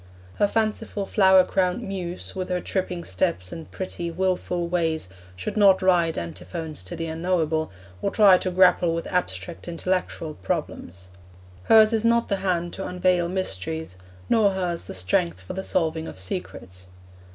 Her fanciful flower crowned Muse, with her tripping steps and pretty, wilful ways, should not write Antiphons to the Unknowable, or try to grapple with abstract intellectual problems. Hers is not the hand to unveil mysteries, nor hers the strength for the solving of secrets.